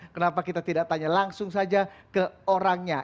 kenapa kita tidak tanya langsung saja ke orangnya